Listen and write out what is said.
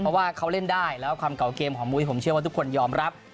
เพราะว่าเขาเล่นได้แล้วความเก่าเกมของมุ้ยผมเชื่อว่าทุกคนยอมรับ